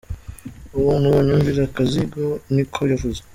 "Abantu banyumvira akazigo," ni ko yavuze.